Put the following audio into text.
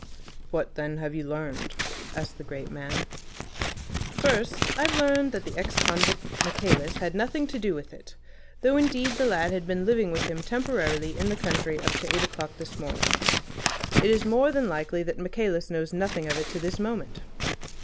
"What then have you learned?" asked the great man. "First, I've learned that the ex convict Michaelis had nothing to do with it, though indeed the lad had been living with him temporarily in the country up to eight o'clock this morning. It is more than likely that Michaelis knows nothing of it to this moment."